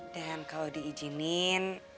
dan kalau diijinin